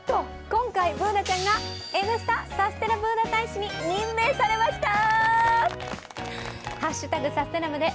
今回Ｂｏｏｎａちゃんが「Ｎスタ」サステナブーナ大使に任命されました！